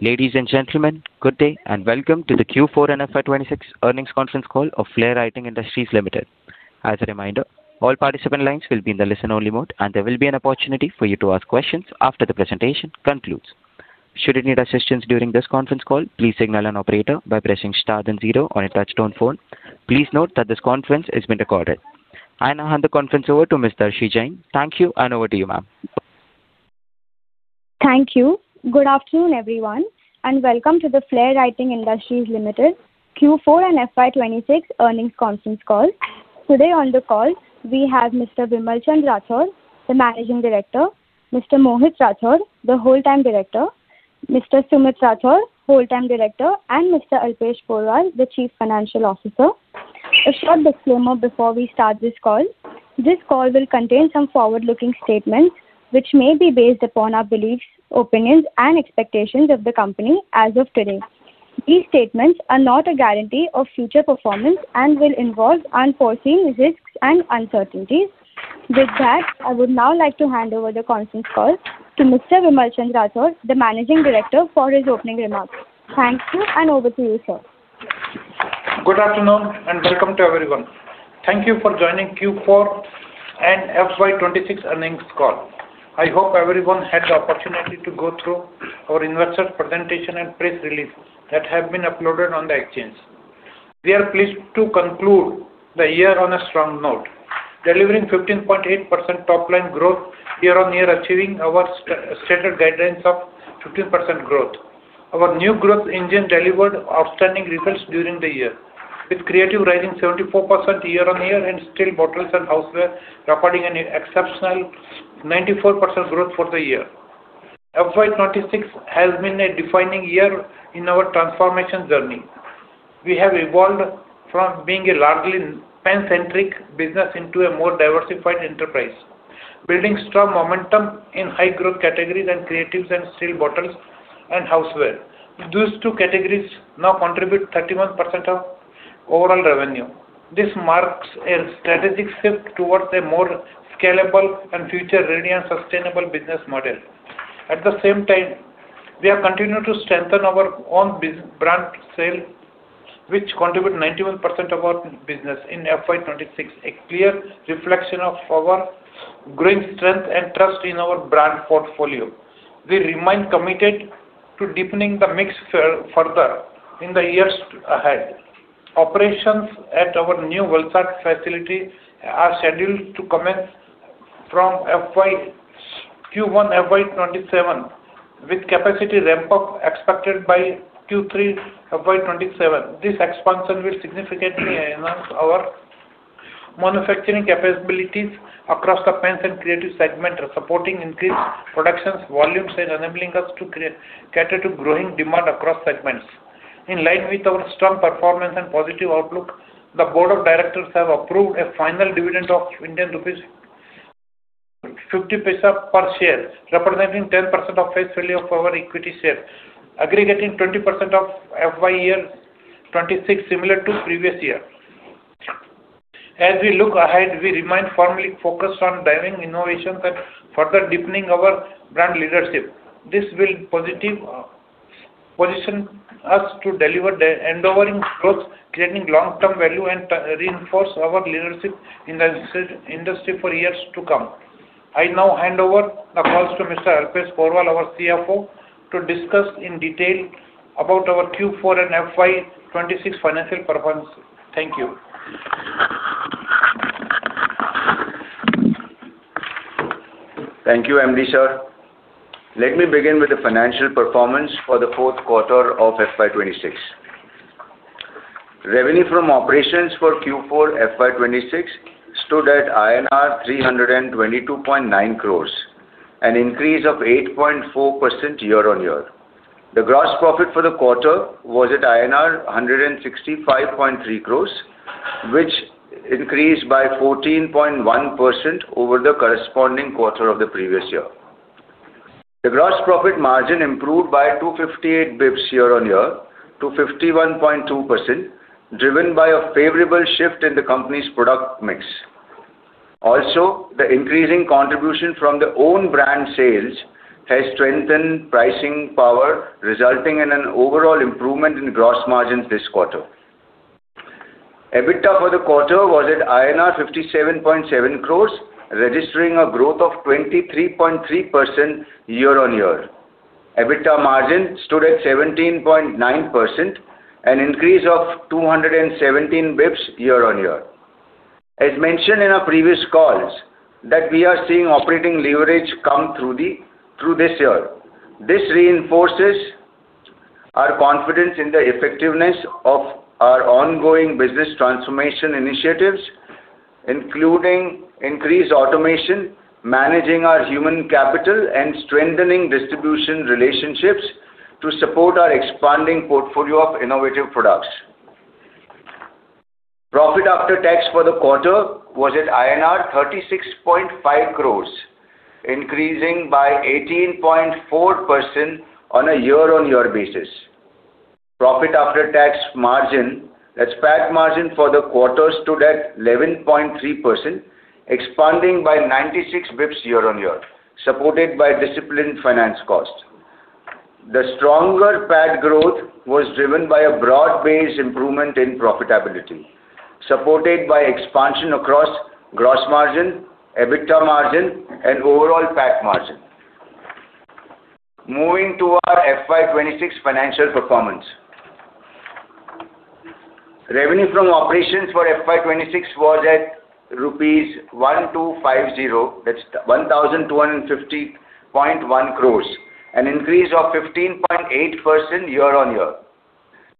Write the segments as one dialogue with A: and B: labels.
A: Ladies and gentlemen, good day, and welcome to the Q4 and FY 2026 earnings conference call of Flair Writing Industries Limited. As a reminder, all participant lines will be in the listen-only mode, and there will be an opportunity for you to ask questions after the presentation concludes. Should you need assistance during this conference call, please signal an operator by pressing star then zero on your touch-tone phone. Please note that this conference is being recorded. I now hand the conference over to Ms. Darshi Jain. Thank you, and over to you, ma'am.
B: Thank you. Good afternoon, everyone, and welcome to the Flair Writing Industries Limited Q4 and FY 2026 earnings conference call. Today on the call, we have Mr. Vimalchand Rathod, the Managing Director, Mr. Mohit Rathod, the Whole Time Director, Mr. Sumit Rathod, Whole Time Director, and Mr. Alpesh Porwal, the Chief Financial Officer. A short disclaimer before we start this call. This call will contain some forward-looking statements, which may be based upon our beliefs, opinions, and expectations of the company as of today. These statements are not a guarantee of future performance and will involve unforeseen risks and uncertainties. With that, I would now like to hand over the conference call to Mr. Vimalchand Rathod, the Managing Director, for his opening remarks. Thank you, and over to you, sir.
C: Good afternoon, and welcome to everyone. Thank you for joining Q4 and FY2026 earnings call. I hope everyone had the opportunity to go through our investor presentation and press release that have been uploaded on the exchange. We are pleased to conclude the year on a strong note, delivering 15.8% top-line growth year-on-year, achieving our stated guidelines of 15% growth. Our new growth engine delivered outstanding results during the year, with Creative rising 74% year-on-year and Steel Bottles and Houseware recording an exceptional 94% growth for the year. FY 2026 has been a defining year in our transformation journey. We have evolved from being a largely pen-centric business into a more diversified enterprise, building strong momentum in high-growth categories in Creatives and Steel Bottles and Houseware. Those two categories now contribute 31% of overall revenue. This marks a strategic shift towards a more scalable and future-ready, and sustainable business model. At the same time, we have continued to strengthen our own brand sale, which contribute 91% of our business in FY 2026, a clear reflection of our growing strength and trust in our brand portfolio. We remain committed to deepening the mix further in the years ahead. Operations at our new Valsad facility are scheduled to commence from Q1 FY 2027, with capacity ramp-up expected by Q3 FY 2027. This expansion will significantly enhance our manufacturing capabilities across the pens and creative segment, supporting increased productions volumes and enabling us to cater to growing demand across segments. In line with our strong performance and positive outlook, the Board of Directors have approved a final dividend of Indian rupees 0.50 per share, representing 10% of face value of our equity share, aggregating 20% of FY 2026, similar to previous year. As we look ahead, we remain firmly focused on driving innovation and further deepening our brand leadership. This will position us to deliver enduring growth, creating long-term value, and reinforce our leadership in the industry for years to come. I now hand over the calls to Mr. Alpesh Porwal, our CFO, to discuss in detail about our Q4 and FY 2026 financial performance. Thank you.
D: Thank you, MD sir. Let me begin with the financial performance for the fourth quarter of FY 2026. Revenue from operations for Q4 FY 2026 stood at INR 322.9 crore, an increase of 8.4% year-on-year. The gross profit for the quarter was at INR 165.3 crore, which increased by 14.1% over the corresponding quarter of the previous year. The gross profit margin improved by 258 basis points year-on-year to 51.2%, driven by a favorable shift in the company's product mix. The increasing contribution from the own brand sales has strengthened pricing power, resulting in an overall improvement in gross margins this quarter. EBITDA for the quarter was at INR 57.7 crore, registering a growth of 23.3% year-on-year. EBITDA margin stood at 17.9%, an increase of 217 basis points year-on-year. As mentioned in our previous calls, that we are seeing operating leverage come through this year. This reinforces our confidence in the effectiveness of our ongoing business transformation initiatives, including increased automation, managing our human capital, and strengthening distribution relationships to support our expanding portfolio of innovative products. Profit after tax for the quarter was at INR 36.5 crore, increasing by 18.4% on a year-on-year basis. Profit after tax margin, that's PAT margin for the quarter stood at 11.3%, expanding by 96 basis points year-on-year, supported by disciplined finance cost. The stronger PAT growth was driven by a broad-based improvement in profitability, supported by expansion across gross margin, EBITDA margin, and overall PAT margin. Moving to our FY 2026 financial performance. Revenue from operations for FY 2026 was at INR 1,250.1 crore, an increase of 15.8% year-on-year.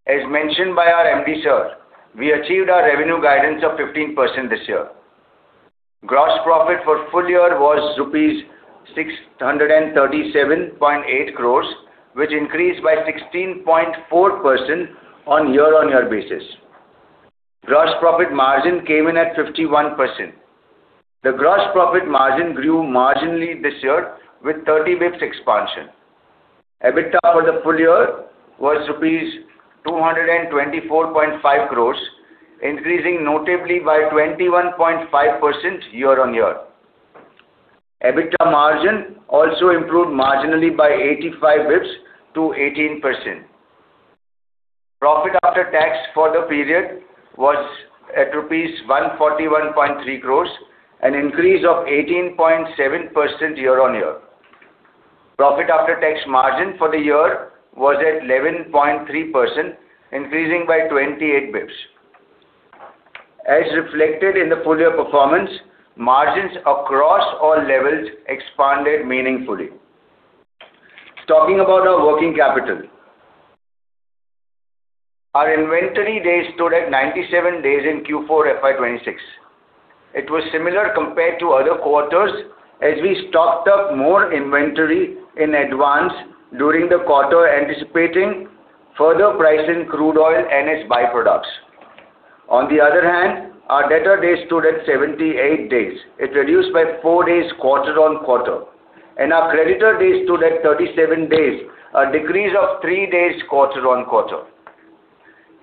D: As mentioned by our MD, Sir, we achieved our revenue guidance of 15% this year. Gross profit for full-year was rupees 637.8 crore, which increased by 16.4% on year-on-year basis. Gross profit margin came in at 51%. The gross profit margin grew marginally this year with 30 basis points expansion. EBITDA for the full-year was rupees 224.5 crore, increasing notably by 21.5% year-on-year. EBITDA margin also improved marginally by 85 basis points to 18%. Profit after tax for the period was at rupees 141.3 crore, an increase of 18.7% year-on-year. Profit after tax margin for the year was at 11.3%, increasing by 28 basis points. As reflected in the full year performance, margins across all levels expanded meaningfully. Talking about our working capital. Our inventory days stood at 97 days in Q4 FY 2026. It was similar compared to other quarters as we stocked up more inventory in advance during the quarter, anticipating further price in crude oil and its byproducts. On the other hand, our debtor days stood at 78 days. It reduced by four days quarter-on-quarter, and our creditor days stood at 37 days, a decrease of three days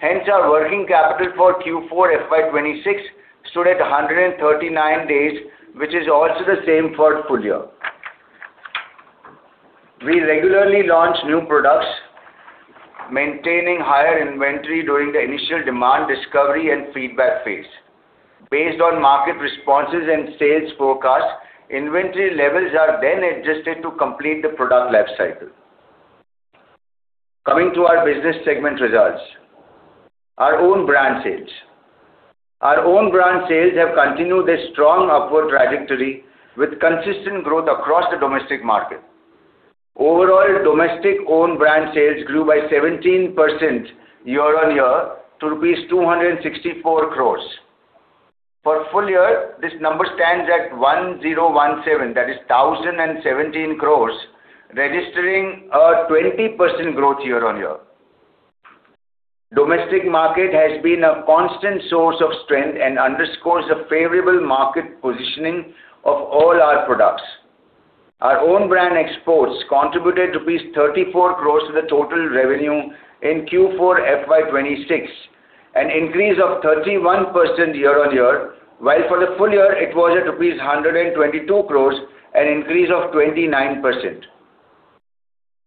D: quarter-on-quarter. Our working capital for Q4 FY2026 stood at 139 days, which is also the same for full-year. We regularly launch new products, maintaining higher inventory during the initial demand discovery and feedback phase. Based on market responses and sales forecast, inventory levels are then adjusted to complete the product life cycle. Coming to our business segment results. Our own brand sales have continued a strong upward trajectory with consistent growth across the domestic market. Overall, domestic own brand sales grew by 17% year-on-year to rupees 264 crore. For full-year, this number stands at 1,017, that is 1,017 crore, registering a 20% growth year-on-year. Domestic market has been a constant source of strength and underscores the favorable market positioning of all our products. Our own brand exports contributed INR 34 crore to the total revenue in Q4 FY 2026, an increase of 31% year-on-year, while for the full-year, it was at 122 crore, an increase of 29%.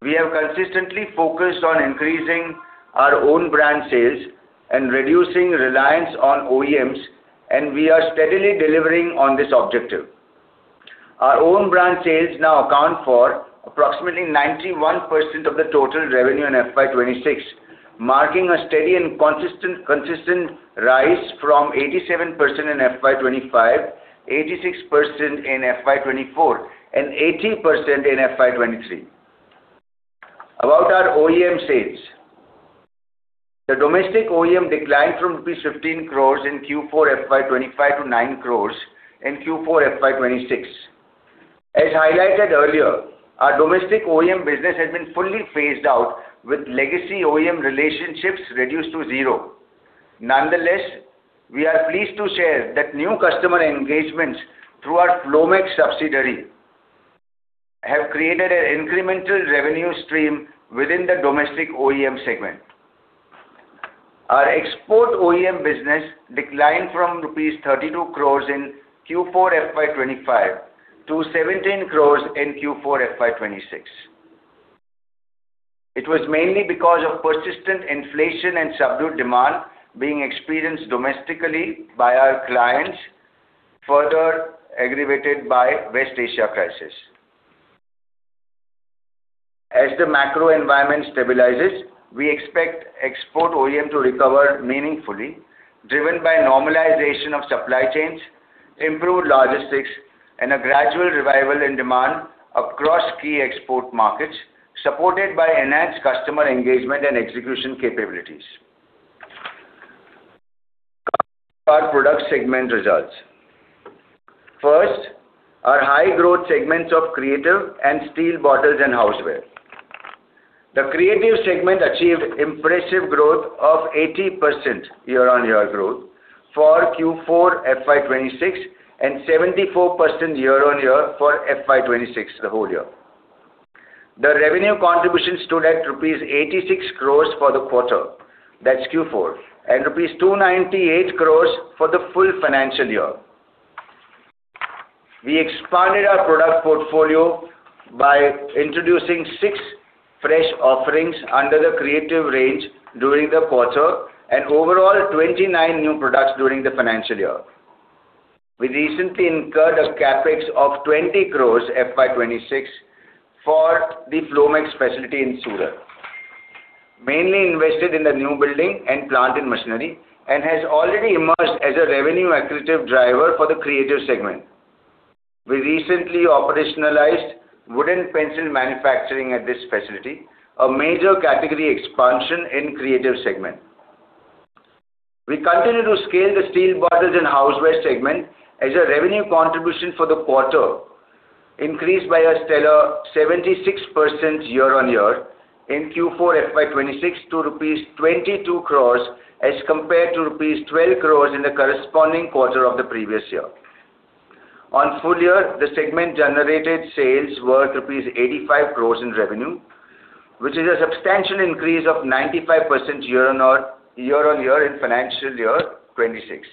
D: We have consistently focused on increasing our own brand sales and reducing reliance on OEMs, and we are steadily delivering on this objective. Our own brand sales now account for approximately 91% of the total revenue in FY 2026, marking a steady and consistent rise from 87% in FY 2025, 86% in FY 2024, and 18% in FY 2023. About our OEM sales. The domestic OEM declined from rupees 15 crore in Q4 FY 2025 to 9 crore in Q4 FY 2026. As highlighted earlier, our domestic OEM business has been fully phased out with legacy OEM relationships reduced to zero. Nonetheless, we are pleased to share that new customer engagements through our Flair Glomax subsidiary have created an incremental revenue stream within the domestic OEM segment. Our export OEM business declined from rupees 32 crore in Q4 FY 2025 to 17 crore in Q4 FY 2026. It was mainly because of persistent inflation and subdued demand being experienced domestically by our clients, further aggravated by West Asia crisis. As the macro environment stabilizes, we expect export OEM to recover meaningfully, driven by normalization of supply chains, improved logistics, and a gradual revival in demand across key export markets, supported by enhanced customer engagement and execution capabilities. Coming to our product segment results. First, our high growth segments of Creative and Steel Bottles and Houseware. The creative segment achieved impressive growth of 80% year-on-year growth for Q4 FY 2026 and 74% year-on-year for FY 2026, the whole year. The revenue contribution stood at rupees 86 crore for the quarter, that's Q4, and rupees 298 crore for the full financial year. We expanded our product portfolio by introducing six fresh offerings under the creative range during the quarter and overall 29 new products during the financial year. We recently incurred a CapEx of 20 crore FY 2026 for the Flair Glomax facility in Surat. Mainly invested in the new building and plant and machinery and has already emerged as a revenue accretive driver for the creative segment. We recently operationalized wooden pencil manufacturing at this facility, a major category expansion in creative segment. We continue to scale the Steel Bottles and Houseware segment as a revenue contribution for the quarter, increased by a stellar 76% year-on-year in Q4 FY 2026 to rupees 22 crore as compared to rupees 12 crore in the corresponding quarter of the previous year. On full year, the segment generated sales worth rupees 85 crore in revenue, which is a substantial increase of 95% year-on-year in FY 2026.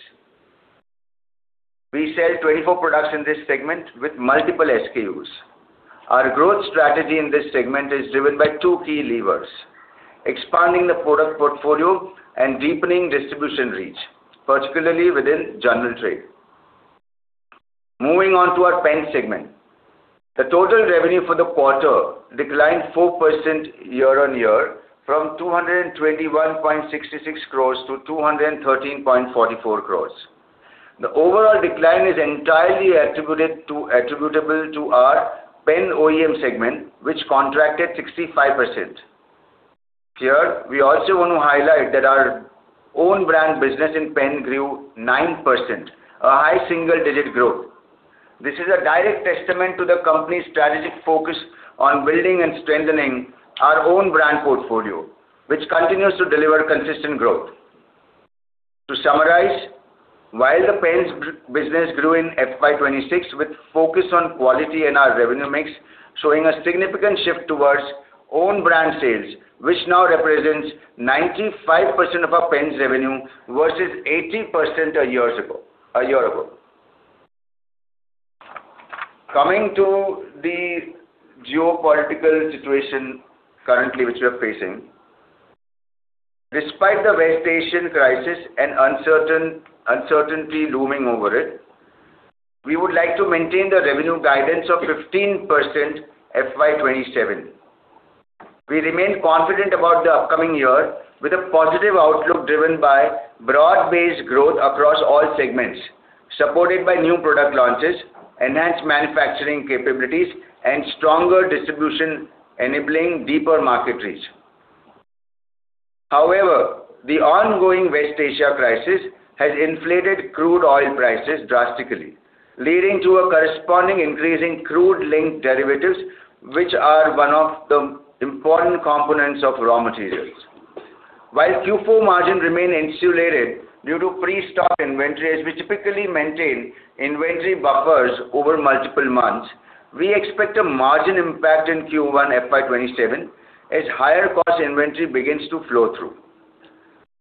D: We sell 24 products in this segment with multiple SKUs. Our growth strategy in this segment is driven by two key levers, expanding the product portfolio and deepening distribution reach, particularly within general trade. Moving on to our pen segment. The total revenue for the quarter declined 4% year-on-year from 221.66 crore to 213.44 crore. The overall decline is entirely attributable to our pen OEM segment, which contracted 65%. Here, we also want to highlight that our own brand business in pen grew 9%, a high single-digit growth. This is a direct testament to the company's strategic focus on building and strengthening our own brand portfolio, which continues to deliver consistent growth. To summarize, while the pens business grew in FY 2026, with focus on quality and our revenue mix showing a significant shift towards own brand sales, which now represents 95% of our pens revenue versus 80% a year ago. Coming to the geopolitical situation currently which we're facing. Despite the West Asian crisis and uncertainty looming over it, we would like to maintain the revenue guidance of 15% FY 2027. We remain confident about the upcoming year with a positive outlook driven by broad-based growth across all segments, supported by new product launches, enhanced manufacturing capabilities, and stronger distribution enabling deeper market reach. The ongoing West Asia crisis has inflated crude oil prices drastically, leading to a corresponding increase in crude linked derivatives, which are one of the important components of raw materials. While Q4 margin remain insulated due to pre-stock inventories, we typically maintain inventory buffers over multiple months. We expect a margin impact in Q1 FY 2027 as higher cost inventory begins to flow through.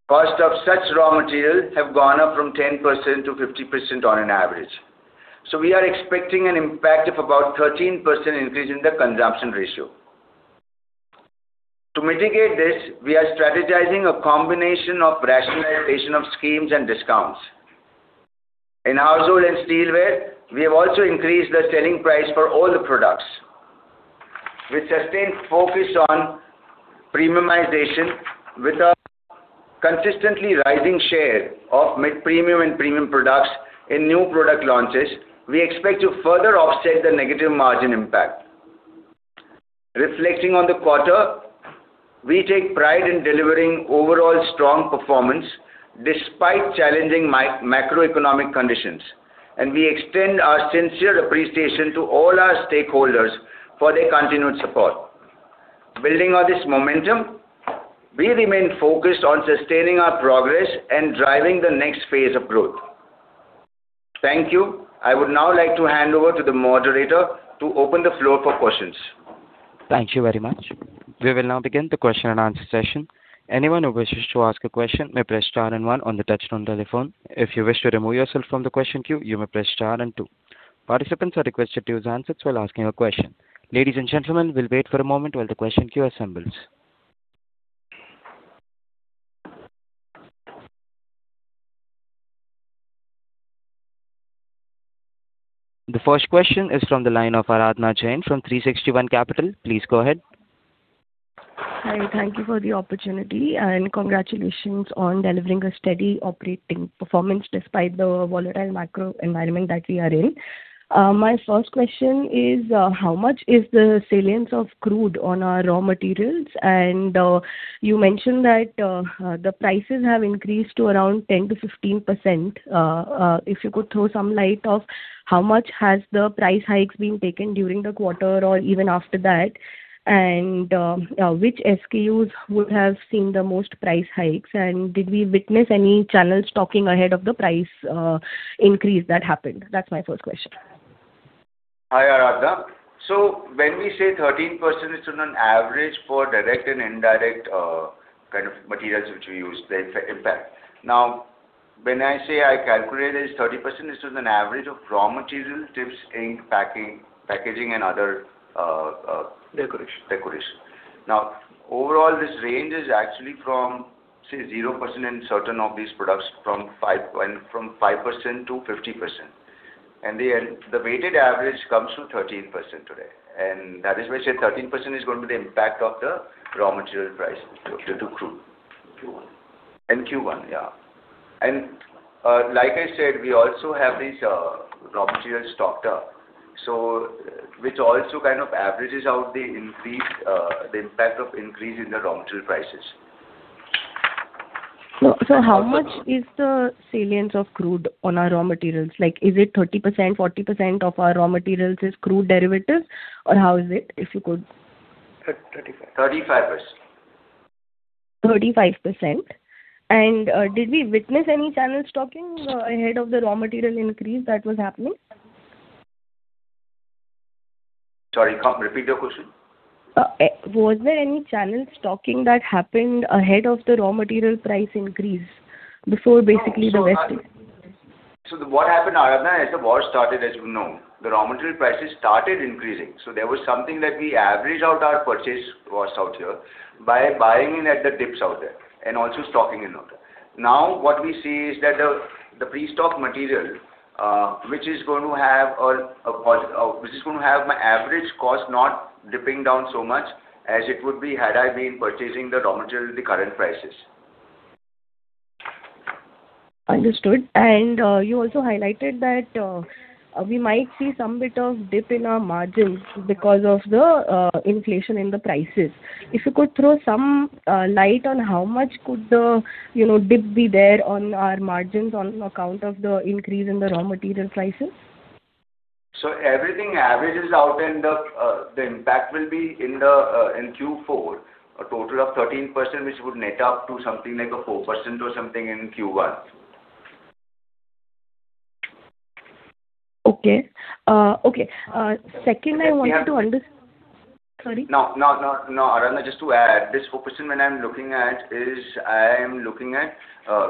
D: Cost of such raw materials have gone up from 10%-50% on an average. We are expecting an impact of about 13% increase in the consumption ratio. To mitigate this, we are strategizing a combination of rationalization of schemes and discounts. In Steel Bottles and Houseware, we have also increased the selling price for all the products. With sustained focus on premiumization, with a consistently rising share of mid-premium and premium products in new product launches, we expect to further offset the negative margin impact. Reflecting on the quarter, we take pride in delivering overall strong performance despite challenging macroeconomic conditions, and we extend our sincere appreciation to all our stakeholders for their continued support. Building on this momentum, we remain focused on sustaining our progress and driving the next phase of growth. Thank you. I would now like to hand over to the moderator to open the floor for questions.
A: Thank you very much. We will now begin the question and answer session. Anyone who wishes to ask a question may press star and one on the touchtone telephone. If you wish to remove yourself from the question queue, you may press star and two. Participants are requested to use handsets while asking a question. Ladies and gentlemen, we'll wait for a moment while the question queue assembles. The first question is from the line of Aradhana Jain from 360 ONE Capital. Please go ahead.
E: Hi. Thank you for the opportunity, and congratulations on delivering a steady operating performance despite the volatile macro environment that we are in. My first question is, how much is the salience of crude on our raw materials? You mentioned that the prices have increased to around 10%-15%. If you could throw some light of how much has the price hikes been taken during the quarter or even after that, and which SKUs would have seen the most price hikes, and did we witness any channels stocking ahead of the price increase that happened? That's my first question.
D: Hi, Aradhana. When we say 13%, it's on an average for direct and indirect kind of materials which we use, the impact. When I say I calculate it is 30%, this is an average of raw materials, tips, ink, packaging, and other-
C: Decoration....
D: decoration. Overall, this range is actually from, say, 0% in certain of these products from 5% to 50%. The weighted average comes to 13% today, and that is why I said 13% is going to be the impact of the raw material price due to crude.
C: In Q1.
D: In Q1, yeah. Like I said, we also have these raw materials stocked up, which also kind of averages out the impact of increase in the raw material prices.
E: How much is the salience of crude on our raw materials? Like is it 30%, 40% of our raw materials is crude derivative, or how is it, if you could?
D: 35%.
E: 35%. Did we witness any channel stocking ahead of the raw material increase that was happening?
D: Sorry, repeat the question.
E: Was there any channel stocking that happened ahead of the raw material price increase before basically?
D: What happened, Aradhana, as the war started, as you know, the raw material prices started increasing. There was something that we average out our purchase costs out here by buying in at the dips out there and also stocking in order. What we see is that the pre-stocked material, which is going to have my average cost not dipping down so much as it would be had I been purchasing the raw material at the current prices.
E: Understood. You also highlighted that we might see some bit of dip in our margins because of the inflation in the prices. If you could throw some light on how much could the dip be there on our margins on account of the increase in the raw material prices?
D: Everything averages out and the impact will be in Q4, a total of 13%, which would net up to something like a 4% or something in Q1.
E: Okay. Second, I wanted to Sorry.
D: No, Aradhana, just to add, this 4% when I'm looking at is I am looking at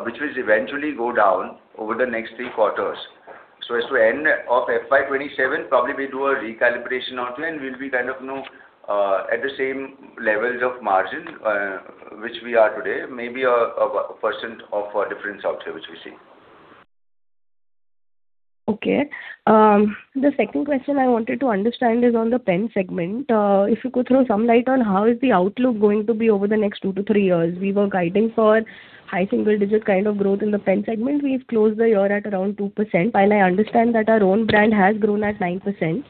D: which will eventually go down over the next three quarters. As to end of FY 2027, probably we'll do a recalibration out and we'll be kind of at the same levels of margin which we are today, maybe 1% of difference out here which we see.
E: Okay. The second question I wanted to understand is on the pen segment. If you could throw some light on how is the outlook going to be over the next two to three years. We were guiding for high single digit kind of growth in the pen segment. We've closed the year at around 2%. I understand that our own brand has grown at 9%.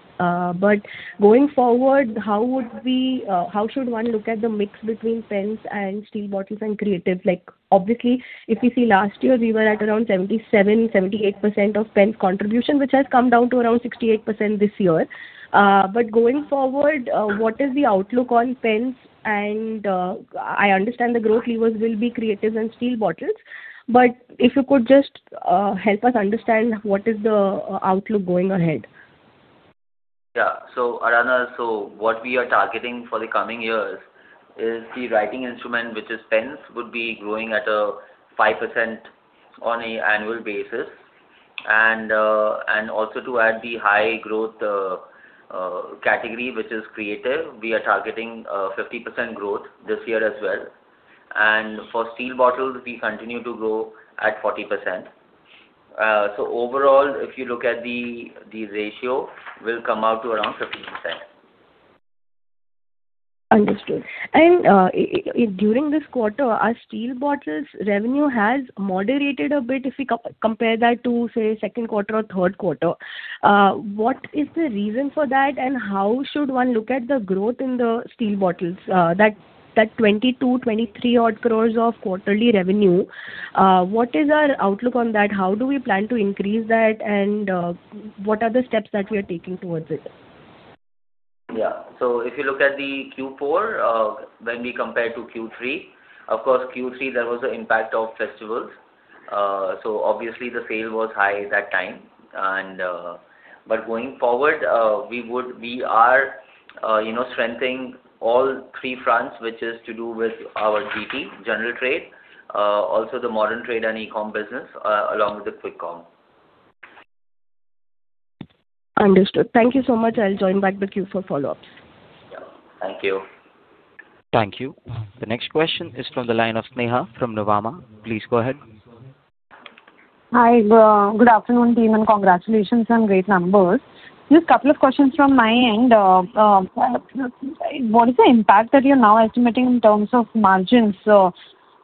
E: Going forward, how should one look at the mix between pens and Steel Bottles and Creative? Obviously, if we see last year, we were at around 77%-78% of pens contribution, which has come down to around 68% this year. Going forward, what is the outlook on pens? I understand the growth levers will be Creative and Steel Bottles, but if you could just help us understand what is the outlook going ahead.
F: Yeah. Aradhana, what we are targeting for the coming years is the writing instrument, which is pens, would be growing at a 5% on a annual basis. Also to add the high growth category, which is creative, we are targeting a 50% growth this year as well. For Steel Bottles, we continue to grow at 40%. Overall, if you look at the ratio, will come out to around 15%.
E: Understood. During this quarter, our Steel Bottles revenue has moderated a bit if we compare that to, say, second quarter or third quarter. What is the reason for that, and how should one look at the growth in the Steel Bottles? That 22 crore-23 odd crore of quarterly revenue, what is our outlook on that? How do we plan to increase that, and what are the steps that we are taking towards it?
F: Yeah. If you look at the Q4, when we compare to Q3, of course, Q3, there was the impact of festivals. Obviously the sale was high that time. Going forward, we are strengthening all three fronts, which is to do with our GT, General Trade, also the modern trade and e-commerce business, along with the quick commerce.
E: Understood. Thank you so much. I will join back the queue for follow-ups.
F: Yeah. Thank you.
A: Thank you. The next question is from the line of Sneha from Nuvama. Please go ahead.
G: Hi. Good afternoon, team. Congratulations on great numbers. Just couple of questions from my end. What is the impact that you're now estimating in terms of margins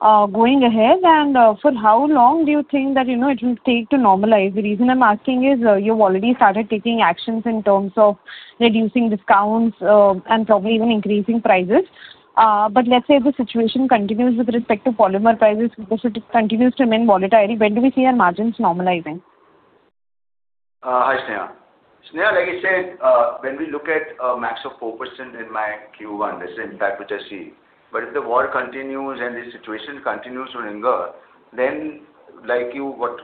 G: going ahead, and for how long do you think that it will take to normalize? The reason I'm asking is you've already started taking actions in terms of reducing discounts, and probably even increasing prices. Let's say the situation continues with respect to polymer prices, if it continues to remain volatile, when do we see our margins normalizing?
D: Hi, Sneha. Sneha, like I said, when we look at a max of 4% in my Q1, this is the impact which I see. If the war continues and the situation continues to linger. What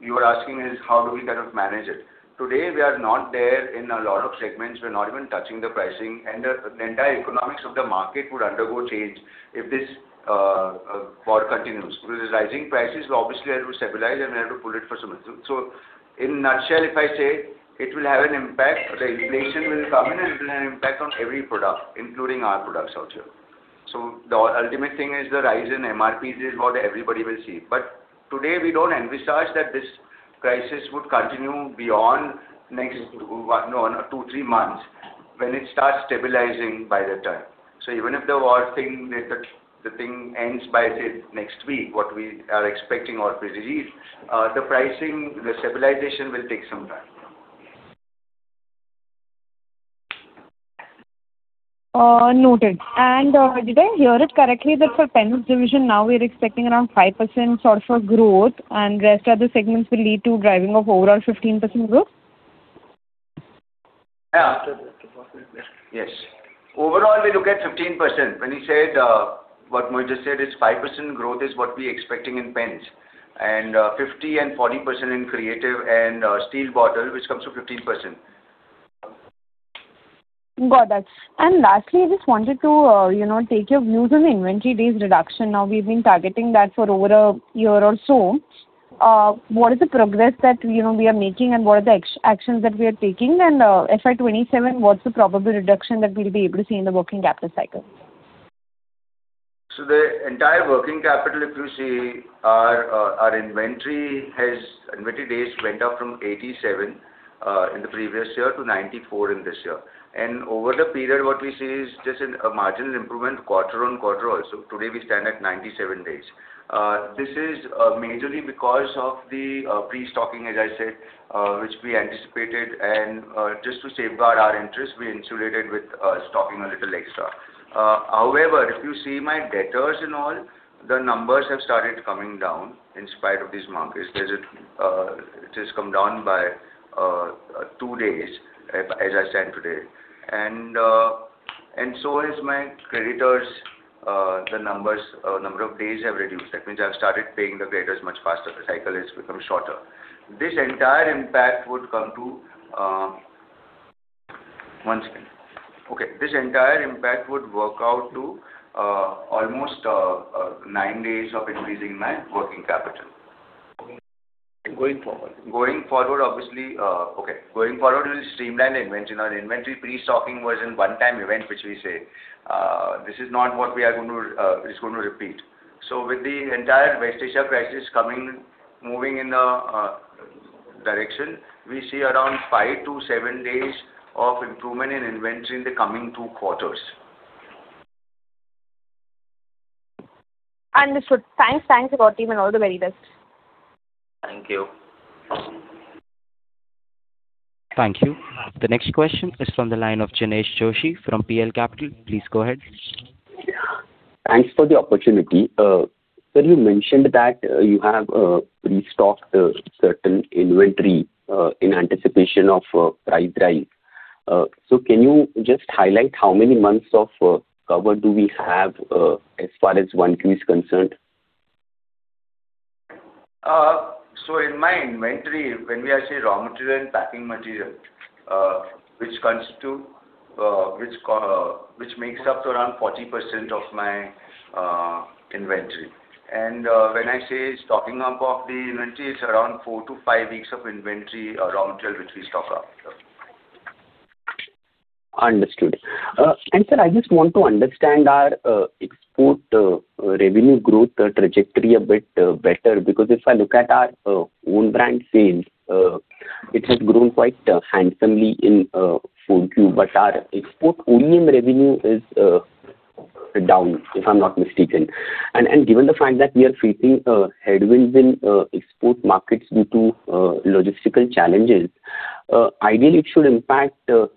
D: you are asking is how do we manage it? Today, we are not there in a lot of segments. We're not even touching the pricing. The entire economics of the market would undergo change if this war continues. Rising prices obviously have to stabilize and we have to pull it for some time. In a nutshell, if I say it will have an impact, the inflation will come in and it will have impact on every product, including our products also. The ultimate thing is the rise in MRPs is what everybody will see. Today, we don't envisage that this crisis would continue beyond next two or three months, when it starts stabilizing by that time. Even if the war thing ends by, say, next week, what we are expecting or predicting, the pricing, the stabilization will take some time.
G: Noted. Did I hear it correctly that for pens division now we're expecting around 5% sort of growth and rest other segments will lead to driving of overall 15% growth?
D: Yeah. Yes. Overall, we look at 15%. What Mohit just said is 5% growth is what we expecting in pens, and 50% and 40% in Creative and Steel Bottle, which comes to 15%.
G: Got that. Lastly, I just wanted to take your views on the inventory days reduction. Now, we've been targeting that for over a year or so. What is the progress that we are making and what are the actions that we are taking? FY 2027, what's the probable reduction that we'll be able to see in the working capital cycle?
D: The entire working capital, if you see our inventory days went up from 87 in the previous year to 94 in this year. Over the period, what we see is just a marginal improvement quarter on quarter also. Today, we stand at 97 days. This is majorly because of the pre-stocking, as I said, which we anticipated. Just to safeguard our interest, we insulated with stocking a little extra. However, if you see my debtors and all, the numbers have started coming down in spite of this market. It has come down by two days as I stand today. Has my creditors, the number of days have reduced. That means I've started paying the creditors much faster. The cycle has become shorter. One second. Okay. This entire impact would work out to almost nine days of increasing my working capital.
C: Going forward.
D: Going forward, we'll streamline inventory. Now, the inventory pre-stocking was a one-time event, which we say. This is not what is going to repeat. With the entire West Asia crisis moving in a direction, we see around five to seven days of improvement in inventory in the coming two quarters.
G: Understood. Thanks a lot, team. All the very best.
D: Thank you.
A: Thank you. The next question is from the line of Jinesh Joshi from PL Capital. Please go ahead.
H: Thanks for the opportunity. Sir, you mentioned that you have pre-stocked certain inventory in anticipation of price rise. Can you just highlight how many months of cover do we have as far as 1Q is concerned?
D: In my inventory, when we are say raw material and packing material which makes up to around 40% of my inventory. When I say stocking up of the inventory, it's around four to five weeks of inventory raw material which we stock up.
H: Understood. Sir, I just want to understand our export revenue growth trajectory a bit better, because if I look at our own brand sales, it has grown quite handsomely in Q4, but our export OEM revenue is down, if I'm not mistaken. Given the fact that we are facing headwinds in export markets due to logistical challenges, ideally it should impact the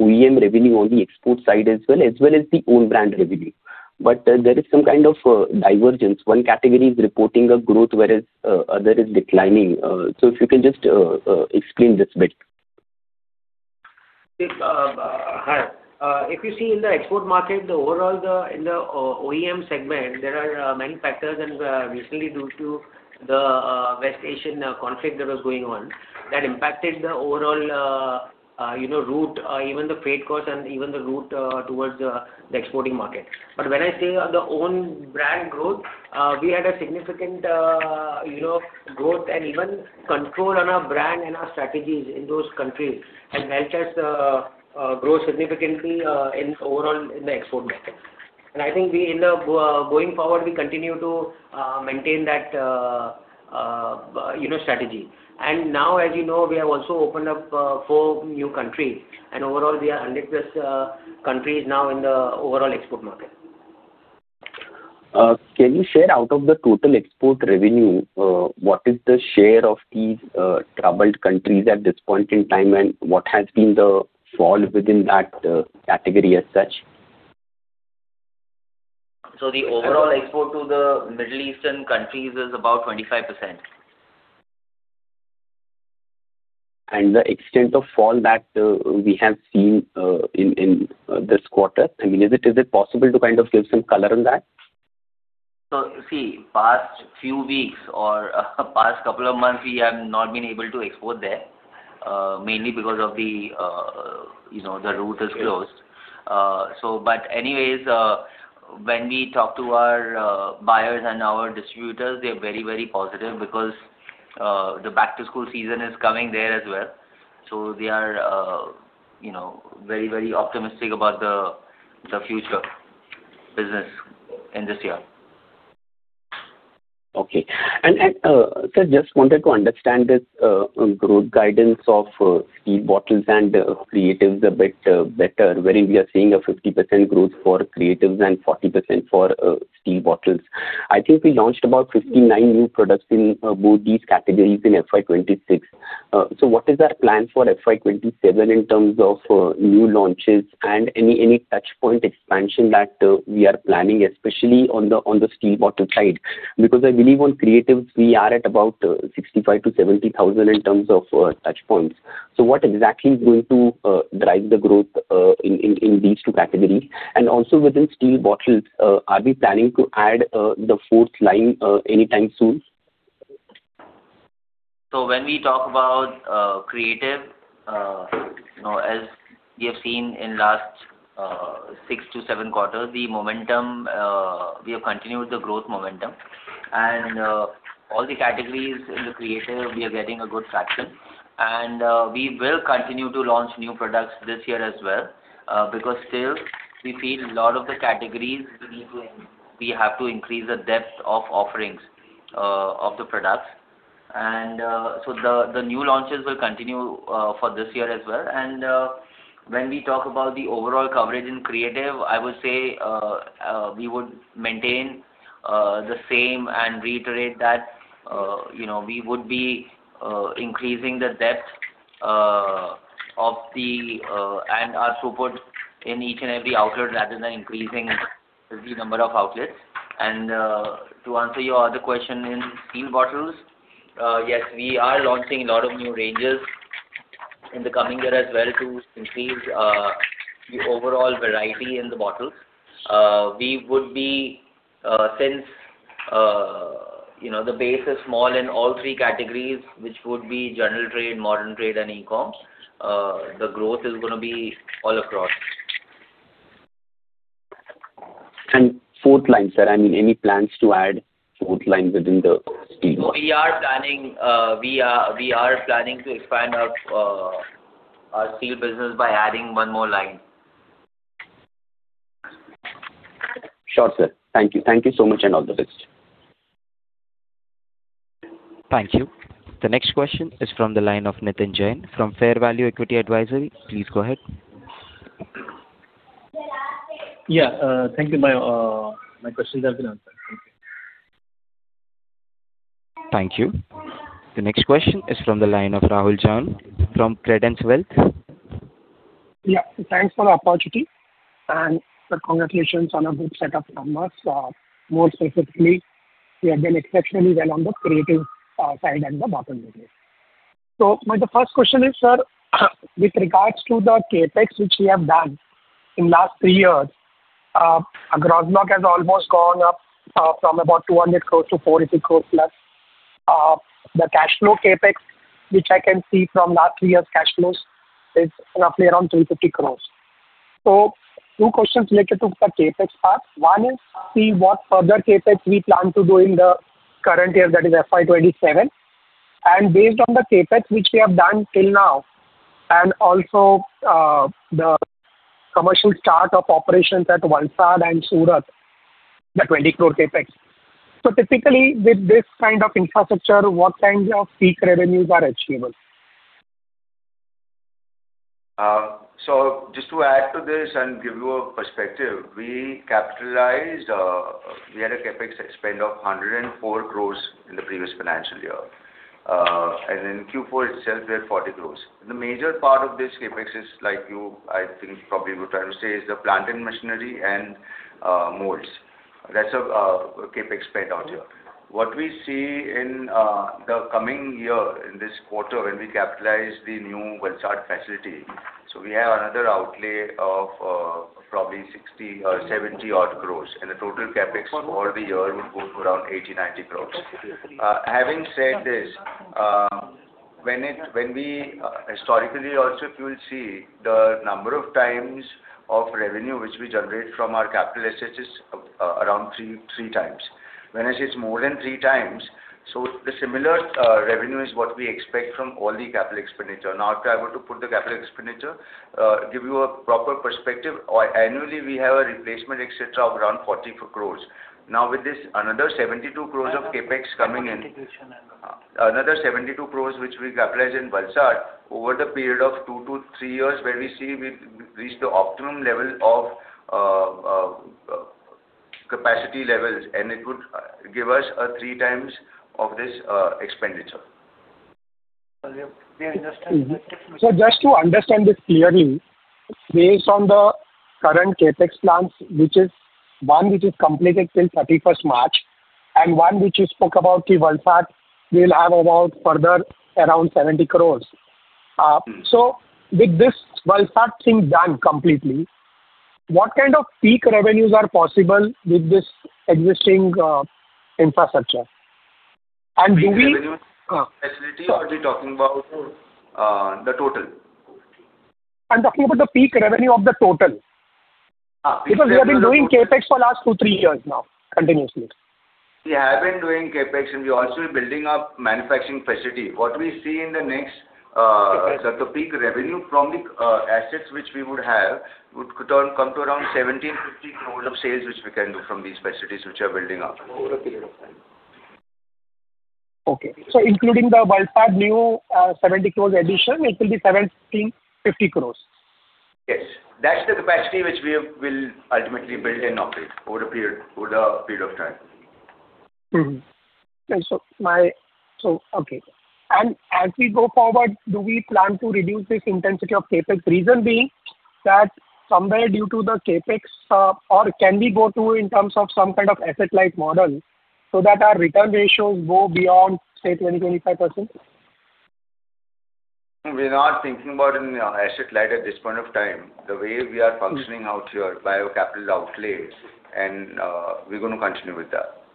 H: OEM revenue on the export side as well, as well as the own brand revenue. There is some kind of divergence. One category is reporting a growth, whereas other is declining. If you can just explain this bit.
I: If you see in the export market, overall in the OEM segment, there are many factors, and recently due to the West Asian conflict that was going on, that impacted the overall route, even the freight cost and even the route towards the export market. When I say the own brand growth, we had a significant growth and even control on our brand and our strategies in those countries has helped us grow significantly overall in the export market. I think going forward, we continue to maintain that strategy. Now, as you know, we have also opened up four new countries, and overall, we are 100+ countries now in the overall export market.
H: Can you share out of the total export revenue, what is the share of these troubled countries at this point in time, and what has been the fall within that category as such?
I: The overall export to the Middle Eastern countries is about 25%.
H: The extent of fall that we have seen in this quarter, I mean, is it possible to kind of give some color on that?
F: Past few weeks or past couple of months, we have not been able to export there, mainly because of the route is closed. Anyways, when we talk to our buyers and our distributors, they are very positive because the back-to-school season is coming there as well. They are very optimistic about the future business in this year.
H: Okay. Sir, just wanted to understand this growth guidance of Steel Bottles and Creative a bit better, where we are seeing a 50% growth for creative and 40% for Steel Bottles. I think we launched about 59 new products in both these categories in FY 2026. What is our plan for FY 2027 in terms of new launches and any touchpoint expansion that we are planning, especially on the Steel Bottles side? Because I believe on creative, we are at about 65,000-70,000 in terms of touchpoints. What exactly is going to drive the growth in these two categories? Also, within Steel Bottles, are we planning to add the fourth line anytime soon?
F: When we talk about creative, as we have seen in last six to seven quarters, we have continued the growth momentum. All the categories in the creative, we are getting a good traction. We will continue to launch new products this year as well, because still we feel a lot of the categories, we have to increase the depth of offerings of the products. The new launches will continue for this year as well. When we talk about the overall coverage in creative, I would say we would maintain the same and reiterate that we would be increasing the depth and our footprint in each and every outlet, rather than increasing the number of outlets. To answer your other question, in Steel Bottles, yes, we are launching a lot of new ranges in the coming year as well to increase the overall variety in the bottles. Since the base is small in all three categories, which would be general trade, modern trade, and e-commerce, the growth is going to be all across.
H: Fourth line, sir, any plans to add fourth line within the Steel Bottle?
F: We are planning to expand our steel business by adding one more line.
H: Sure, sir. Thank you. Thank you so much, and all the best.
A: Thank you. The next question is from the line of Nitin Jain from Fairvalue Equity Advisory. Please go ahead.
J: Yeah. Thank you. My question has been answered. Thank you.
A: Thank you. The next question is from the line of Rahul Jain from Credence Wealth.
K: Sir, thanks for the opportunity, and congratulations on a good set of numbers. More specifically, you have done exceptionally well on the creative side and the bottle business. My first question is, sir, with regards to the CapEx which we have done in last three years, our gross margin has almost gone up from about 200 crore to 450 crore plus. The cash flow CapEx, which I can see from last three years' cash flows, is roughly around 350 crore. Two questions related to the CapEx part. One is, see what further CapEx we plan to do in the current year, that is FY 2027. Based on the CapEx which we have done till now, and also the commercial start of operations at Valsad and Surat, the 20 crore CapEx. Typically, with this kind of infrastructure, what kind of peak revenues are achievable?
D: Just to add to this and give you a perspective, we had a CapEx spend of 104 crore in the previous financial year. In Q4 itself, we had 40 crore. The major part of this CapEx is, like you I think probably were trying to say, is the plant and machinery and molds. That's our CapEx spend out here. What we see in the coming year, in this quarter, when we capitalize the new Valsad facility. We have another outlay of probably 60 or 70 odd crore, and the total CapEx for the year would go to around INR 80 crore, INR 90 crore. Having said this, historically also, if you will see, the number of times of revenue which we generate from our capital assets is around three times. When I say it's more than three times, the similar revenue is what we expect from all the capital expenditure. After I'm able to put the capital expenditure, give you a proper perspective, annually, we have a replacement, etc, of around 44 crore. With this, another 72 crore of CapEx coming in, another 72 crore which we capitalize in Valsad over the period of two to three years, where we see we reach the optimum level of capacity levels, and it would give us a three times of this expenditure.
K: Sir, just to understand this clearly. Based on the current CapEx plans, which is one which is completed till 31st March, and one which you spoke about, the Valsad, we'll have about further around 70 crore. With this Valsad thing done completely, what kind of peak revenues are possible with this existing infrastructure? Do we...
D: Peak revenue facility or are you talking about the total?
K: I'm talking about the peak revenue of the total. We have been doing CapEx for the last two, three years now, continuously.
D: We have been doing CapEx, we're also building up manufacturing facility. What we see in the next, the peak revenue from the assets which we would have, would come to around 1,750 crore of sales, which we can do from these facilities which are building up over a period of time.
K: Okay. including the Valsad new 70 crore addition, it will be 70 crore and 50 crore.
D: Yes. That's the capacity which we will ultimately build and operate over a period of time.
K: Mm-hmm. Okay. As we go forward, do we plan to reduce this intensity of CapEx? Reason being that somewhere due to the CapEx, can we go to in terms of some kind of asset-light model so that our return ratios go beyond, say, 20%, 25%?
D: We're not thinking about an asset light at this point of time. The way we are functioning out here by our capital outlays, and we're going to continue with that.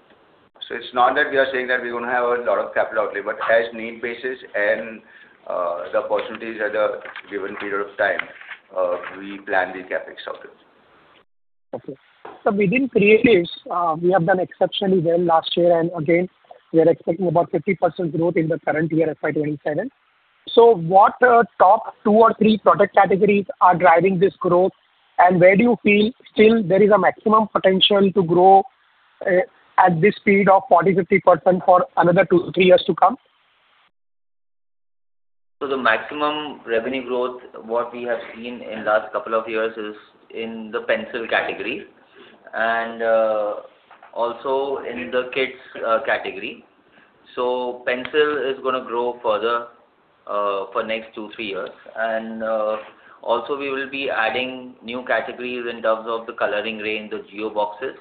D: It's not that we are saying that we're going to have a lot of capital outlay, but as need basis and the possibilities at a given period of time, we plan the CapEx output.
K: Okay. Sir, within creatives, we have done exceptionally well last year, and again, we are expecting about 50% growth in the current year, FY 2027. What top two or three product categories are driving this growth? Where do you feel still there is a maximum potential to grow at this speed of 40%-50% for another two, three years to come?
F: The maximum revenue growth, what we have seen in last couple of years is in the pencil category and also in the kids category. Also we will be adding new categories in terms of the coloring range, the geometry boxes.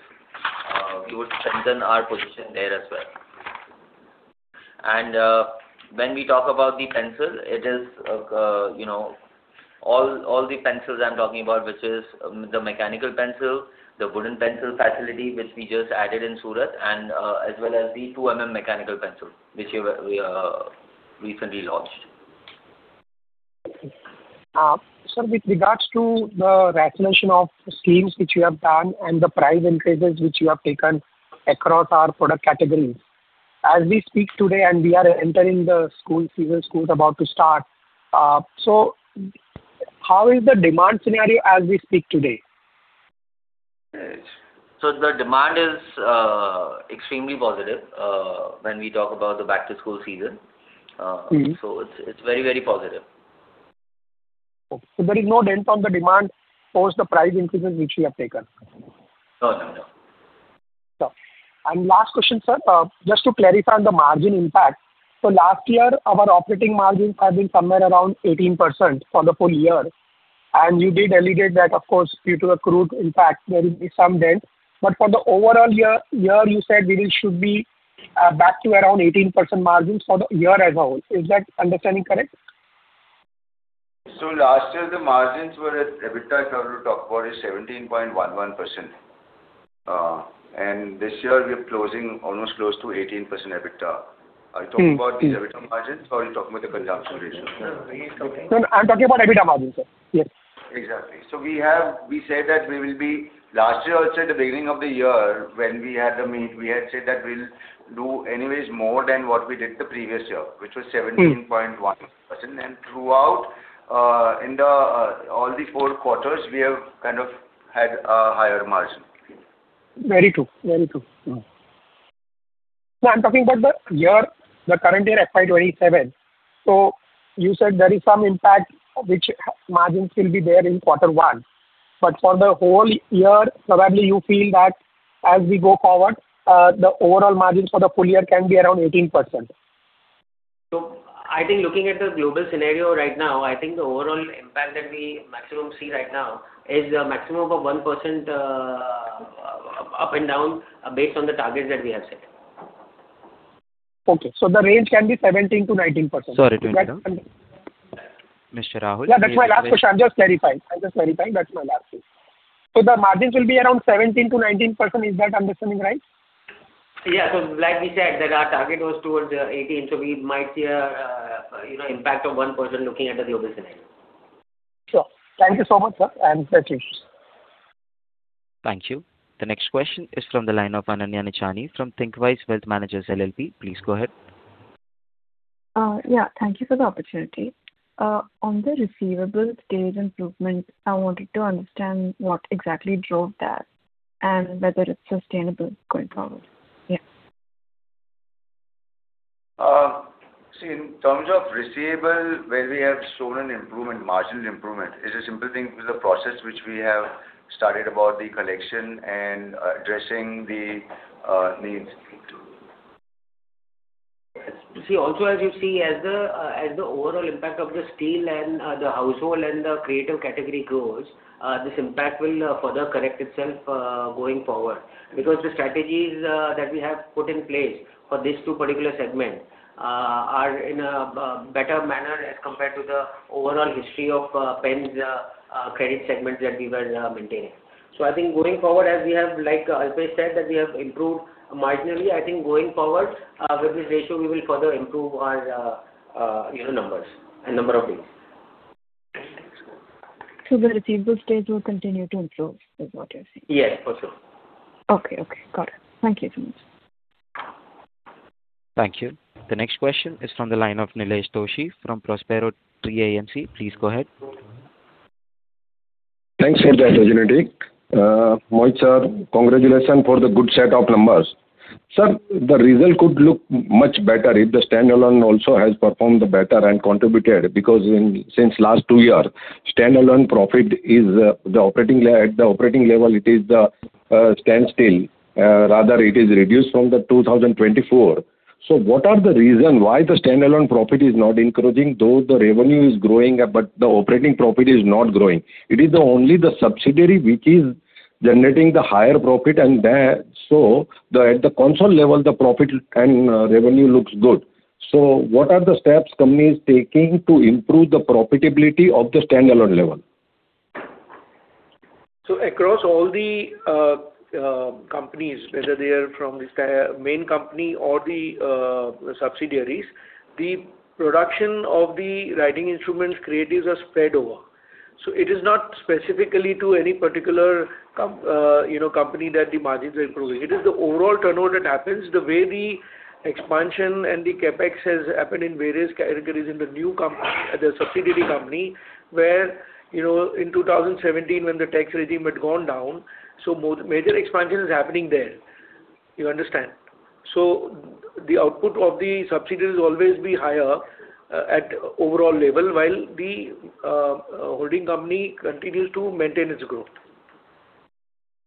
F: We would strengthen our position there as well. When we talk about the pencil, all the pencils I'm talking about, which is the mechanical pencil, the wooden pencil facility, which we just added in Surat, and as well as the 2 millimeters mechanical pencil, which we recently launched.
K: Sir, with regards to the rationalization of schemes which you have done and the price increases which you have taken across our product categories, as we speak today, and we are entering the school season, school is about to start. How is the demand scenario as we speak today?
F: The demand is extremely positive when we talk about the back-to-school season. It's very positive.
K: Okay. There is no dent on the demand post the price increases which we have taken.
F: No.
K: Last question, sir. Just to clarify on the margin impact. Last year, our operating margins have been somewhere around 18% for the full-year. You did alleviate that, of course, due to the crude impact, there will be some dent. For the overall year, you said that it should be back to around 18% margins for the year as a whole. Is that understanding correct?
D: Last year, the margins were at, EBITDA, if I were to talk about, is 17.11%. This year, we're closing almost close to 18% EBITDA. Are you talking about the EBITDA margins or are you talking about the consumption ratio?
F: He is talking...
K: No, I'm talking about EBITDA margins, sir. Yes.
D: Exactly. Last year also, at the beginning of the year, when we had the meet, we had said that we'll do anyways more than what we did the previous year, which was 17.1%. Throughout, in all the four quarters, we have kind of had a higher margin.
K: Very true. No, I'm talking about the year, the current year, FY 2027. You said there is some impact which margins will be there in quarter one. For the whole year, probably you feel that as we go forward, the overall margins for the full-year can be around 18%.
F: I think looking at the global scenario right now, I think the overall impact that we maximum see right now is a maximum of 1% up and down based on the targets that we have set.
K: Okay. The range can be 17%-19%.
A: Sorry to interrupt. Mr. Rahul.
K: Yeah, that's my last question. I am just clarifying. That's my last thing. The margins will be around 17%-19%, is that understanding right?
F: Yeah. Like we said, that our target was towards 18%, so we might see an impact of 1% looking at the global scenario.
K: Sure. Thank you so much, sir. Thank you.
A: Thank you. The next question is from the line of Ananya Nichani from Thinqwise Wealth Managers LLP. Please go ahead.
L: Yeah. Thank you for the opportunity. On the receivables days improvement, I wanted to understand what exactly drove that and whether it is sustainable going forward. Yeah.
D: See, in terms of receivable, where we have shown an improvement, marginal improvement, it's a simple thing with the process which we have started about the collection and addressing the needs.
F: As you see, as the overall impact of the Steel Bottles and Houseware and the Flair Creative category grows, this impact will further correct itself going forward. Because the strategies that we have put in place for these two particular segments are in a better manner as compared to the overall history of pens credit segments that we were maintaining. I think going forward, as Alpesh said, that we have improved marginally. I think going forward, with this ratio, we will further improve our numbers and number of days.
L: The receivables days will continue to improve, is what you're saying?
F: Yes, for sure.
L: Okay, got it. Thank you so much.
A: Thank you. The next question is from the line of Nilesh Doshi from Prospero Tree. Please go ahead.
M: Thanks for the opportunity. Mohit, sir, congratulations for the good set of numbers. Sir, the result could look much better if the standalone also has performed better and contributed, because since last two years, standalone profit at the operating level, it is standstill. It is reduced from the 2024. What are the reasons why the standalone profit is not increasing, though the revenue is growing, but the operating profit is not growing? It is only the subsidiary which is generating the higher profit, at the console level, the profit and revenue looks good. What are the steps company is taking to improve the profitability of the standalone level?
C: Across all the companies, whether they are from this main company or the subsidiaries, the production of the writing instruments creatives are spread over. It is not specifically to any particular company that the margins are improving. It is the overall turnover that happens, the way the expansion and the CapEx has happened in various categories in the subsidiary company, where in 2017, when the tax regime had gone down, major expansion is happening there. You understand? The output of the subsidiaries will always be higher at overall level, while the holding company continues to maintain its growth.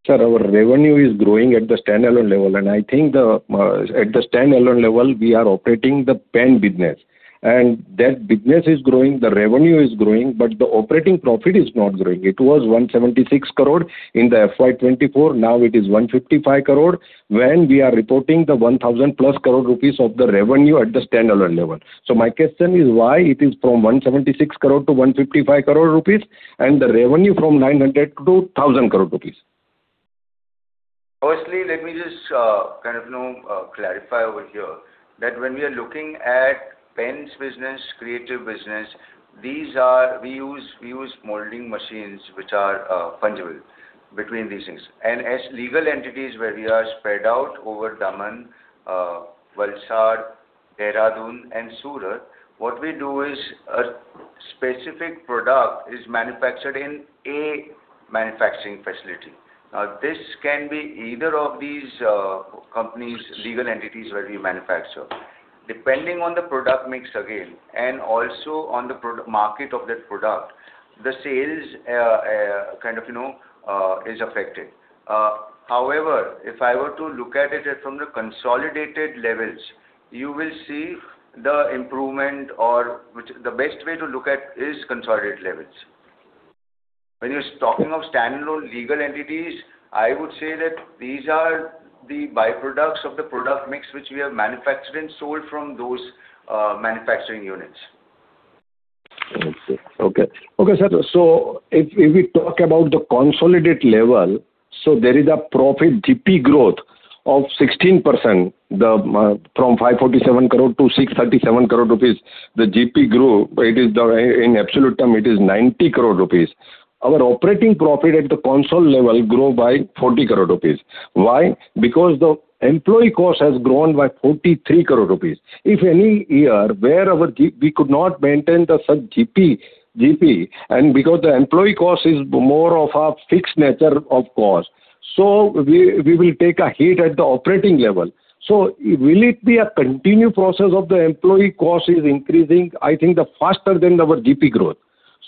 M: Sir, our revenue is growing at the standalone level. I think at the standalone level, we are operating the pen business. That business is growing, the revenue is growing, but the operating profit is not growing. It was 176 crore in FY 2024. Now it is 155 crore when we are reporting the 1,000+ crore rupees of the revenue at the standalone level. My question is why it is from 176 crore to 155 crore rupees and the revenue from 900 crore rupees to 1,000 crore rupees.
D: Firstly, let me just clarify over here that when we are looking at pens business, creative business, we use molding machines, which are fungible between these things. As legal entities where we are spread out over Daman, Valsad, Dehradun, and Surat, what we do is a specific product is manufactured in a manufacturing facility. Now, this can be either of these companies, legal entities where we manufacture. Depending on the product mix again, and also on the market of that product, the sales is affected. However, if I were to look at it from the consolidated levels, you will see the improvement or the best way to look at is consolidated levels. When you're talking of standalone legal entities, I would say that these are the byproducts of the product mix which we have manufactured and sold from those manufacturing units.
M: Okay, sir. If we talk about the consolidated level, there is a profit GP growth of 16%, from 547 crore to 637 crore rupees. The GP grew. In absolute terms, it is 90 crore rupees. Our operating profit at the consolidated level grew by 40 crore rupees. Why? Because the employee cost has grown by 43 crore rupees. If any year where we could not maintain the GP, and because the employee cost is more of a fixed nature, of course. We will take a hit at the operating level. Will it be a continued process of the employee cost is increasing, I think, faster than our GP growth.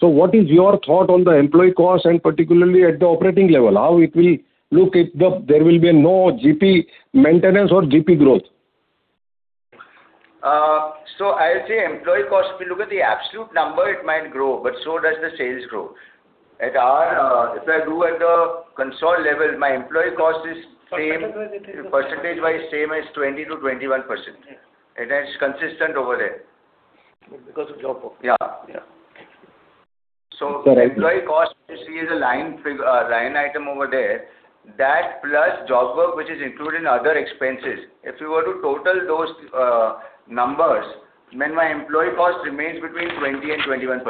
M: What is your thought on the employee cost and particularly at the operating level? How it will look if there will be no GP maintenance or GP growth?
D: I'll say employee cost, if you look at the absolute number, it might grow, but so does the sales growth. If I do at the console level, my employee cost is same.
M: What percentage it is?
D: Percentage-wise, same as 20%-21%.
M: Yeah.
D: That's consistent over there.
M: Because of job work.
D: Yeah.
M: Yeah. Okay.
D: Employee cost, you see is a line item over there. That plus job work, which is included in other expenses. If you were to total those numbers, then my employee cost remains between 20% and 21%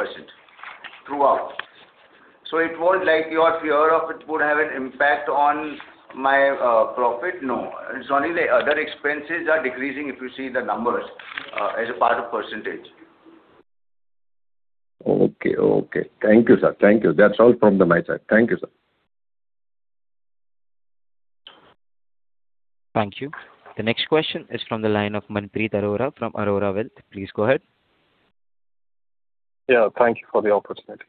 D: throughout. It was like your fear of it would have an impact on my profit. No. It's only the other expenses are decreasing if you see the numbers as a part of percentage.
M: Okay. Thank you, sir. That's all from my side. Thank you, sir.
A: Thank you. The next question is from the line of Manpreet Arora from Arora Wealth. Please go ahead.
N: Yeah. Thank you for the opportunity.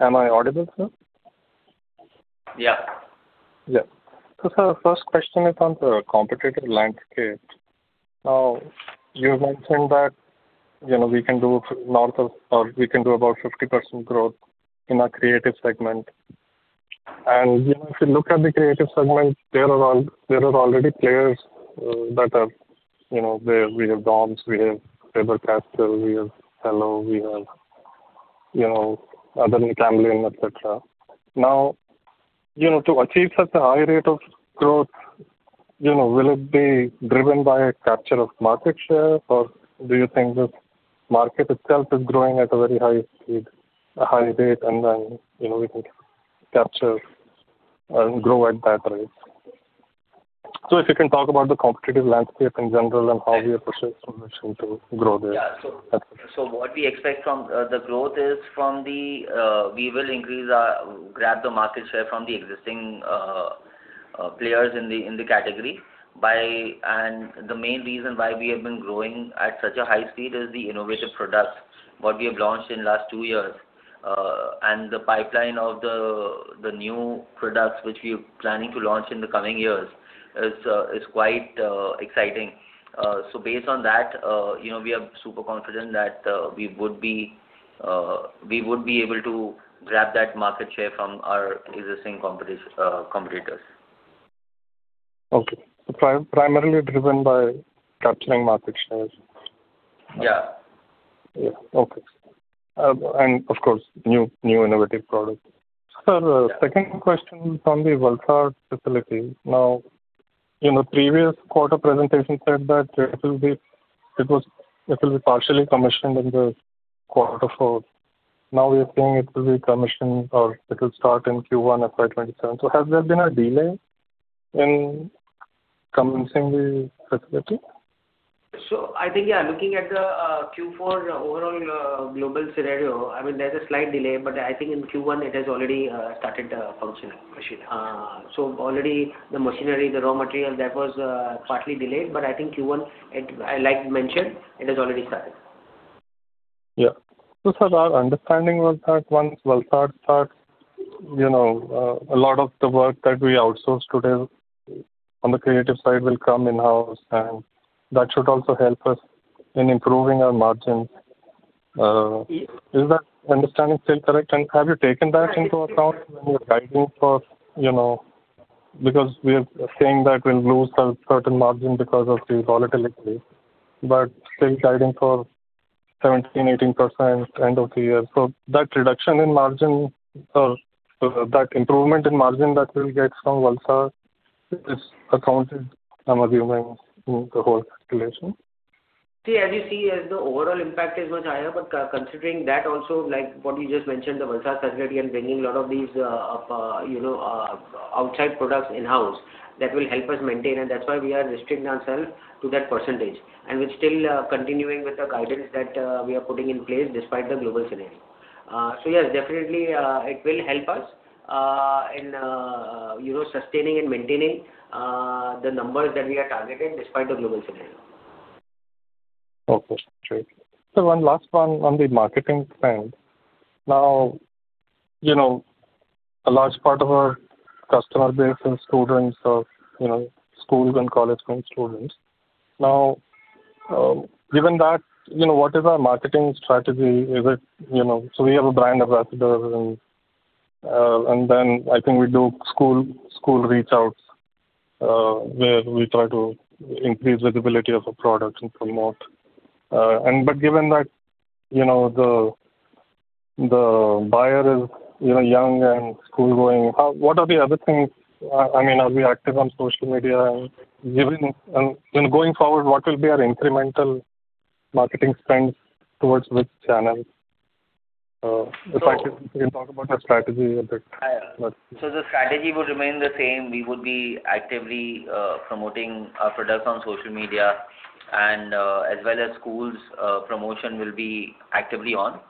N: Am I audible, sir?
F: Yeah.
N: Sir, first question is on the competitive landscape. You've mentioned that we can do about 50% growth in our creative segment. If you look at the creative segment, there are already players that are there. We have DOMS, we have Paperkraft, we have Cello, we have other, Camlin, etc. Now, to achieve such a high rate of growth, will it be driven by a capture of market share? Do you think the market itself is growing at a very high rate, then we can capture and grow at that rate? If you can talk about the competitive landscape in general and how we approach solution to grow there.
F: Yeah. What we expect from the growth is we will grab the market share from the existing players in the category. The main reason why we have been growing at such a high speed is the innovative products, what we have launched in last two years. The pipeline of the new products which we're planning to launch in the coming years is quite exciting. Based on that, we are super confident that we would be able to grab that market share from our existing competitors.
N: Okay. Primarily driven by capturing market shares.
F: Yeah.
N: Yeah. Okay. Of course, new innovative product. Sir, second question from the Valsad facility. In the previous quarter presentation said that it will be partially commissioned in Q4. We are seeing it will be commissioned or it will start in Q1 FY 2027. Has there been a delay in commencing the facility?
F: I think, yeah, looking at the Q4 overall global scenario, there's a slight delay, but I think in Q1 it has already started functioning. Already the machinery, the raw material, that was partly delayed, but I think Q1, like mentioned, it has already started.
N: Yeah. Sir, our understanding was that once Valsad starts, a lot of the work that we outsource today on the creative side will come in-house, and that should also help us in improving our margin.
F: Yes.
N: Is that understanding still correct? Have you taken that into account when you're guiding for because we are saying that we'll lose a certain margin because of the volatility, but still guiding for 17%-18% end of the year. That reduction in margin or that improvement in margin that we'll get from Valsad is accounted, I'm assuming, in the whole calculation.
F: See, as you see, the overall impact is much higher, but considering that also, like what you just mentioned, the Valsad facility and bringing a lot of these outside products in-house, that will help us maintain, and that's why we are restricting ourselves to that percentage. We're still continuing with the guidance that we are putting in place despite the global scenario. Yes, definitely, it will help us in sustaining and maintaining the numbers that we have targeted despite the global scenario.
N: Okay. Sure. Sir, one last one on the marketing spend. Now, a large part of our customer base is students of schools and college-going students. Now, given that, what is our marketing strategy? We have a brand ambassador, I think we do school reach outs where we try to increase visibility of a product and promote. Given that the buyer is young and school-going, what are the other things? Are we active on social media? Going forward, what will be our incremental marketing spend towards which channel? If actually you can talk about your strategy a bit.
F: The strategy would remain the same. We would be actively promoting our products on social media and as well as schools promotion will be actively on,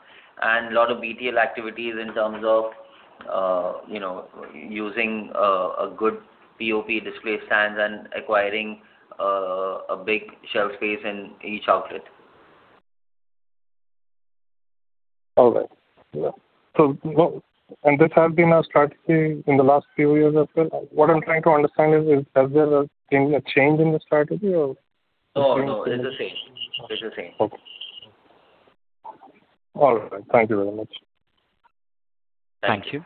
F: and lot of BTL activities in terms of using a good POP display stands and acquiring a big shelf space in each outlet.
N: All right. Yeah. This has been our strategy in the last few years as well. What I'm trying to understand is, has there been a change in the strategy or...
F: No. It's the same.
N: Okay. All right. Thank you very much.
F: Thank you.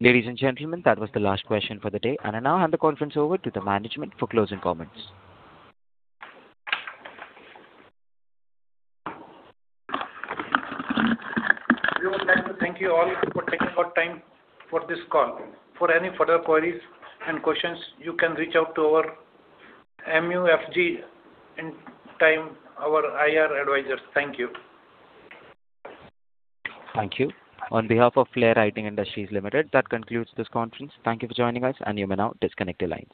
A: Ladies and gentlemen, that was the last question for the day. I now hand the conference over to the management for closing comments.
C: We would like to thank you all for taking out time for this call. For any further queries and questions, you can reach out to our MUFG and Orient Capital, our IR advisors. Thank you.
A: Thank you. On behalf of Flair Writing Industries Limited, that concludes this conference. Thank you for joining us, you may now disconnect your lines.